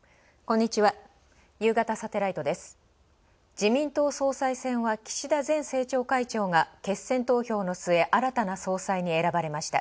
自民党総裁選は岸田前政調会長が決選投票の末、新たな総裁に選ばれました。